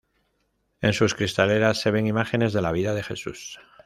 En sus cristaleras se ven imágenes de la vida de Jesús.